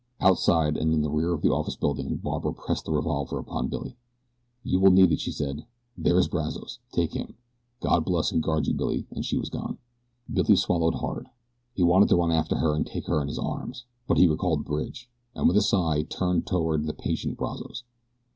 Outside and in the rear of the office building Barbara pressed the revolver upon Billy. "You will need it," she said. "There is Brazos take him. God bless and guard you, Billy!" and she was gone. Billy swallowed bard. He wanted to run after her and take her in his arms; but he recalled Bridge, and with a sigh turned toward the patient Brazos.